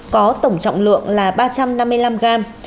có tổng trọng lượng là ba trăm năm mươi năm gram